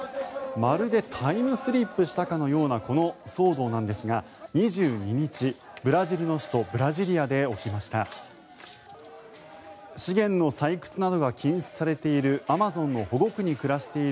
まるでタイムスリップしたかのようなこの騒動なんですが２２日ブラジルの首都ブラジリアで起きました。